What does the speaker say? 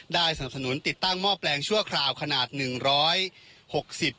สนับสนุนติดตั้งหม้อแปลงชั่วคราวขนาดหนึ่งร้อยหกสิบ